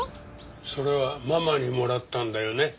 それはママにもらったんだよね？